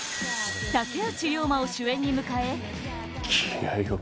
竹内涼真を主演に迎え宮部：